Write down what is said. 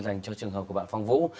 dành cho trường hợp của bạn phong vũ